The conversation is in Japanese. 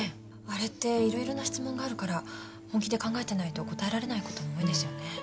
あれって色々な質問があるから本気で考えてないと答えられないことも多いですよね。